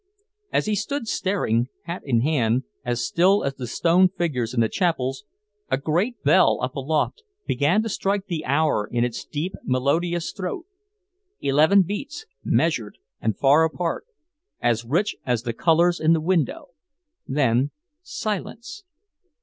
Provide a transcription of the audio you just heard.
As he stood staring, hat in hand, as still as the stone figures in the chapels, a great bell, up aloft, began to strike the hour in its deep, melodious throat; eleven beats, measured and far apart, as rich as the colours in the window, then silence...